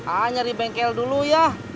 ayo cari bengkel dulu ya